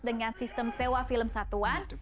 dengan sistem sewa film satuan